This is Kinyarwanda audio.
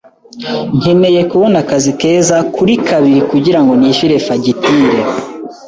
Nkeneye kubona akazi keza kuri kabiri kugirango nishyure fagitire